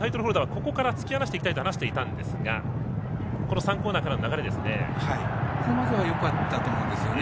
ここから突き放していきたいと話していたんですが３コーナーからの流れですね。